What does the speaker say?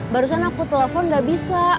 barusan aku telepon gak bisa